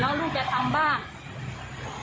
ทิ้งไว้ให้แม่เขาทิ้งไว้ให้ลูกทำทุนแล้วลูกจะทำบ้าน